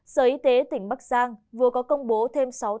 sở y tế tỉnh bắc giang vừa có công bố thêm sáu tám ca mắc mới covid một mươi chín